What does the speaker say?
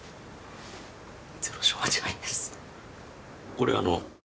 これあの。